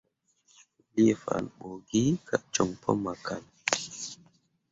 Mo lii fambõore gi kah joɲ pu makala.